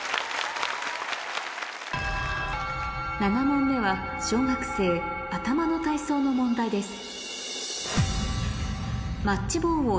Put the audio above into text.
７問目は小学生頭の体操の問題です